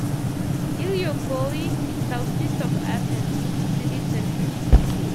Ilioupoli is southeast of Athens city centre.